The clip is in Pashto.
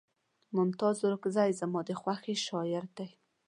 ممتاز اورکزے زما د خوښې شاعر دے